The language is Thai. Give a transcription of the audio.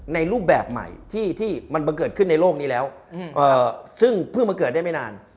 รูปแบบใหม่ที่มันบังเกิดขึ้นในโลกนี้แล้วซึ่งเพิ่งมาเกิดได้ไม่นาน